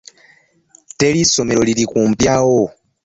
Teri ssomero liri kumpi awo?